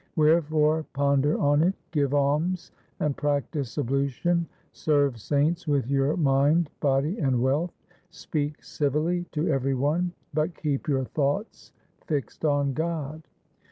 Wherefore ponder on it, give alms and practise ablution, serve saints with your mind, body, and wealth ; speak civilly to every one, but keep your thoughts fixed on God.